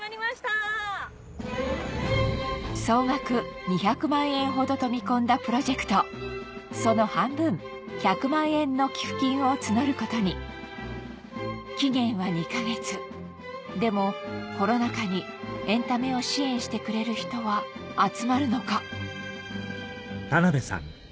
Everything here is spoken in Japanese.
総額２００万円ほどと見込んだプロジェクトその半分１００万円の寄付金を募ることに期限は２か月でもコロナ禍にエンタメを支援してくれる人は集まるのか？